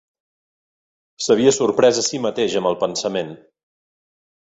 S'havia sorprès a si mateix amb el pensament.